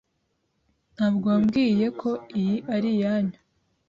Ntabwo wambwiye ko iyi ari iyanyu.